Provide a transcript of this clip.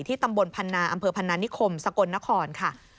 ที่ตำบลภัณฑ์อำเภอภัณฑ์นิคมสกลนครค่ะ